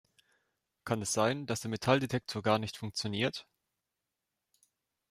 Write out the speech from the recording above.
Kann es sein, dass der Metalldetektor gar nicht funktioniert?